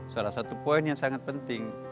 salah satu poin yang sangat penting